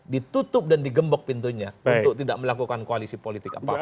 ditutup dan digembok pintunya untuk tidak melakukan koalisi politik apapun